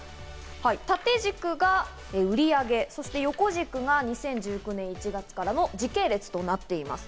縦軸が売上、横軸が２０１９年１月からの時系列となっています。